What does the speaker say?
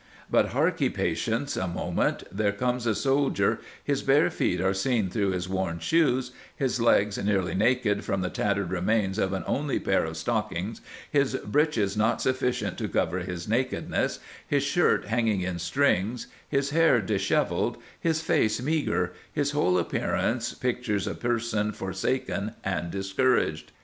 But harkee Pa tience — a moment — There comes a Soldier — His bare feet are seen thro' his worn Shoes — his legs nearly naked from the tatter'd remains of an only pair of stockings — his Breeches not sufficient to cover his Nakedness — his shirt hanging in Strings — his hair dishevell'd — his face meagre — his whole appearance pictures a person for saken & discouraged.